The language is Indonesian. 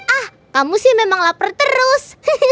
ah kamu sih memang lapar terus